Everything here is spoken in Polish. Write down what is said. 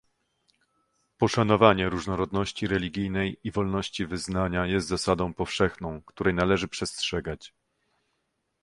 Poszanowanie różnorodności religijnej i wolności wyznania jest zasadą powszechną, której należy przestrzegać